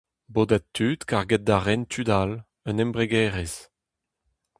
Bodad tud karget da ren tud all, un embregerezh.